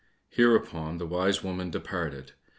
Hereupon the wise woman departed.